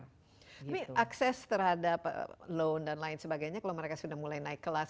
tapi akses terhadap loan dan lain sebagainya kalau mereka sudah mulai naik kelas